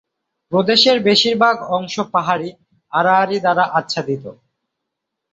প্রদেশের বেশিরভাগ অংশ পাহাড়ী আড়াআড়ি দ্বারা আচ্ছাদিত।